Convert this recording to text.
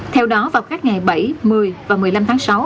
theo đó vào các ngày bảy một mươi và một mươi năm tháng sáu